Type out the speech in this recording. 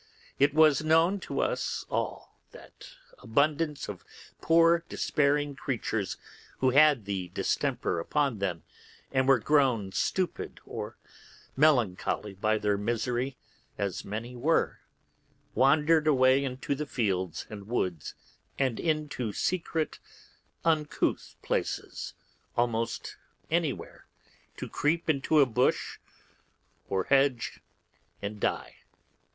It was known to us all that abundance of poor despairing creatures who had the distemper upon them, and were grown stupid or melancholy by their misery, as many were, wandered away into the fields and Woods, and into secret uncouth places almost anywhere, to creep into a bush or hedge and die.